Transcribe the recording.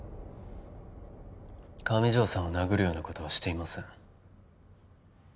上条さんを殴るようなことはしていません